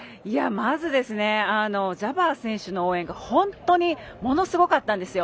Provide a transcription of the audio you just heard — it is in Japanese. まずジャバー選手の応援が本当にものすごかったんですよ。